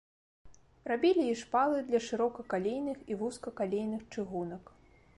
Рабілі і шпалы для шырокакалейных і вузкакалейных чыгунак.